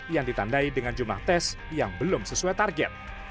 yang ditandai dengan jumlah tes yang belum sesuai target